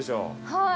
はい。